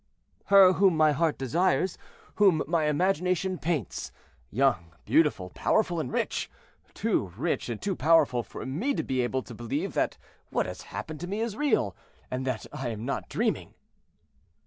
"Her whom my heart desires, whom my imagination paints, young, beautiful, powerful, and rich; too rich and too powerful for me to be able to believe that what has happened to me is real, and that I am not dreaming."